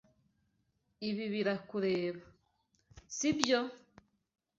Ibi birakureba, sibyo?